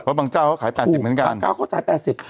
เพราะบางเจ้าเขาขาย๘๐เหมือนกันบางเจ้าเขาจ่ายแปดสิบ